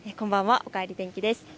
おかえり天気です。